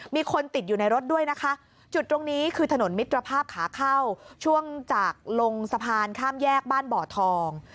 มีคนติดอยู่ในรถด้วยนะคะจุดตรงนี้คือถนนมิตรภาพขาเข้าช่วงจากลงสะพานข้ามแยกบ้านบ่อทอง